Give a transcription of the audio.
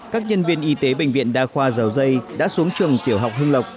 các nhân viên y tế bệnh viện đa khoa dầu dây đã xuống trường tiểu học hưng lộc